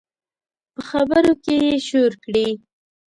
په خبرو کې یې شور کړي